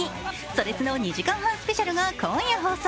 「それスノ２時間半スペシャル」が今夜放送。